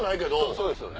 そうですよね。